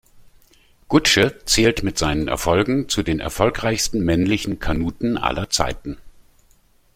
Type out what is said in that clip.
Gutsche zählt mit seinen Erfolgen zu den erfolgreichsten männlichen Kanuten aller Zeiten.